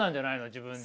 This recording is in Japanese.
自分で。